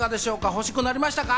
欲しくなりましたか？